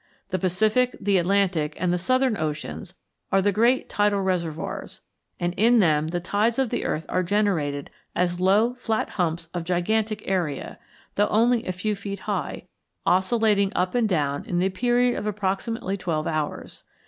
The Pacific, the Atlantic, and the Southern Oceans are the great tidal reservoirs, and in them the tides of the earth are generated as low flat humps of gigantic area, though only a few feet high, oscillating up and down in the period of approximately twelve hours.